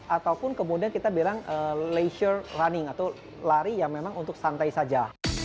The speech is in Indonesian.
ataupun kemudian kita bilang leisure running atau lari yang memang untuk santai saja